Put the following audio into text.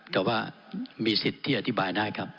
แต่ว่ามีสิทธิ์ที่อธิบายได้ครับ